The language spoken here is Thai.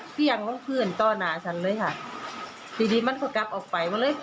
เปิดประตูด้วยบ้านเขามาเลยค่ะ